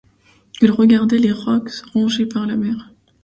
Ils regardaient les rocs rongés par la mer.